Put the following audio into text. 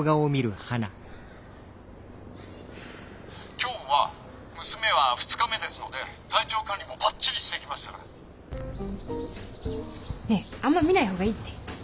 「今日は娘は２日目ですので体調管理もばっちりしてきましたから！」。ねえあんま見ない方がいいって。